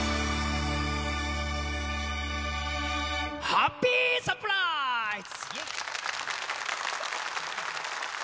ハッピーサプライズ！